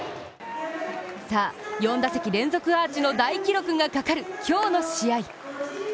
さぁ、４打席連続アーチの大記録がかかる今日の試合。